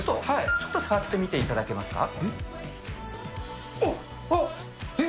ちょっと触ってみていただけあっ、えっ？